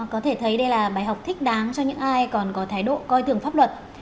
có thể thấy đây là bài học thích đáng cho những ai còn có thái độ coi thường pháp luật